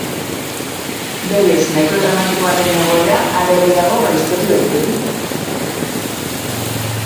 Berez nahikoa dramatikoa den egoera are gehiago gaiztotu daiteke.